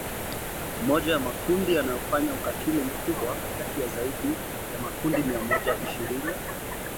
moja ya makundi yanayofanya ukatili mkubwa kati ya zaidi ya makundi mia moja ishirini